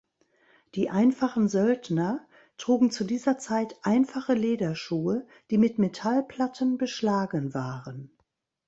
Die einfachen Söldner trugen zu dieser Zeit einfache Lederschuhe, die mit Metallplatten beschlagen waren.